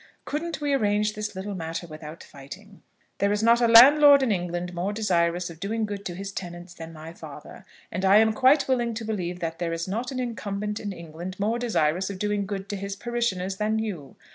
Couldn't we arrange this little matter without fighting? There is not a landlord in England more desirous of doing good to his tenants than my father; and I am quite willing to believe that there is not an incumbent in England more desirous of doing good to his parishioners than you.